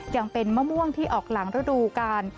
ยังเป็นมะม่วงที่ออกหลังฤดูกาล